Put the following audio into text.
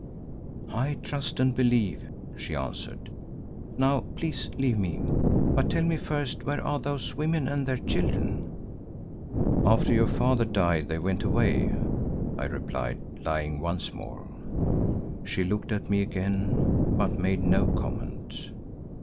"I trust and I believe," she answered. "Now please leave me, but tell me first where are those women and their children?" "After your father died they went away," I replied, lying once more. She looked at me again but made no comment.